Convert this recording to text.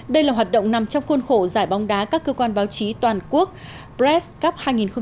đây là hoạt động nằm trong khuôn khổ giải bóng đá các cơ quan báo chí toàn quốc pres cup hai nghìn một mươi chín